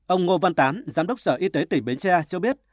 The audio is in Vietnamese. ông ngô văn tám giám đốc sở y tế tỉnh bến tre cho biết